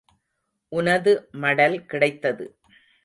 உனது மடல் கிடைத்தது.